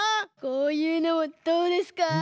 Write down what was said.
こういうのはどうですか？